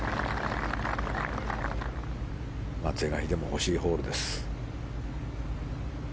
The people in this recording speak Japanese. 是が非でも欲しいホールです。